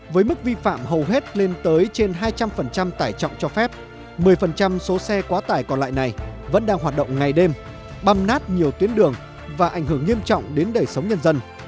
với mức vi phạm hầu hết lên tới trên hai trăm linh tải trọng cho phép một mươi số xe quá tải còn lại này vẫn đang hoạt động ngày đêm băm nát nhiều tuyến đường và ảnh hưởng nghiêm trọng đến đời sống nhân dân